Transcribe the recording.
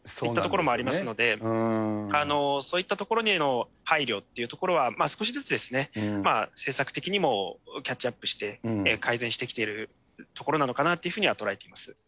いったところもありますので、そういったところへの配慮というのは、少しずつ、政策的にもキャッチアップして、改善してきているところなのかなというふうには捉えています。